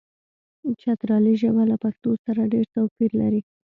چترالي ژبه له پښتو سره ډېر توپیر لري.